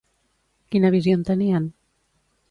Quina visió en tenien?